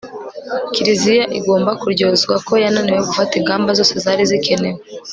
kiliziya igomba kuryozwa ko yananiwe gufata ingamba zose zari zikenewe